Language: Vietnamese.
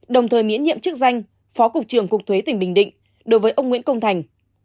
đồng thời miễn nhiệm chức danh phó cục trưởng cục thuế tỉnh bình định đối với ông nguyễn công thành